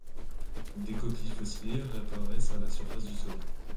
Des coquilles fossilisées réapparaissent à la surface du sol.